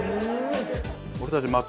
俺たち。